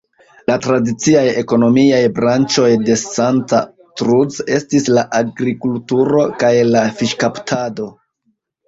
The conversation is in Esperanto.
La tradiciaj ekonomiaj branĉoj de Santa Cruz estis la agrikulturo kaj la fiŝkaptado.